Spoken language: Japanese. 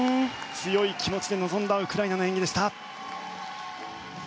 強い気持ちで臨んだウクライナの演技でした。